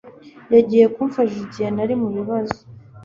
Yagiye kumfasha igihe nari mubibazo